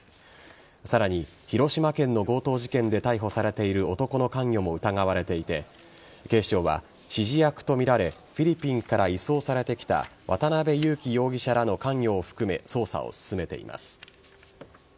さらに広島県の強盗事件で逮捕されている男の関与も疑われていて警視庁は指示役とみられフィリピンから移送されてきた渡辺優樹容疑者らの関与を含め捜査を進めています。